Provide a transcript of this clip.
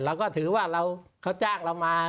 เราก็ถือว่าเขาจ้างเรามา